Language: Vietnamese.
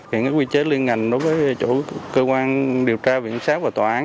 hiện cái quy chế liên ngành đối với chỗ cơ quan điều tra viện sát và tòa án